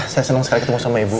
saya senang sekali ketemu sama ibu